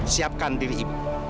siapkan diri ibu